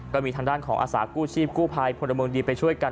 ก็มีทางด้านของอาสากู้ชีพกู้ภัยพลเมืองดีไปช่วยกัน